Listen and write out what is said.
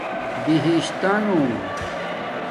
بہشتݳنو